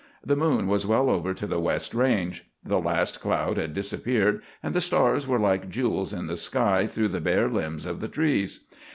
The moon was well over to the west range. The last cloud had disappeared, and the stars were like jewels in the sky through the bare limbs of the trees.